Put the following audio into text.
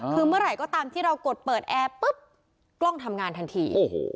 คือเมื่อไหร่ก็ตามที่เรากดเปิดแอร์ปุ๊บกล้องทำงานทันที